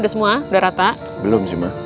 udah semua udah rata belum semua